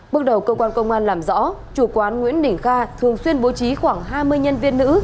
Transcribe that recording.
bước đầu cơ quan công an làm rõ chủ quán nguyễn đình kha thường xuyên bố trí khoảng hai mươi nhân viên nữ